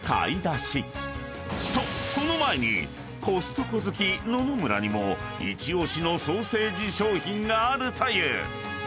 ［とその前にコストコ好き野々村にも一押しのソーセージ商品があるという］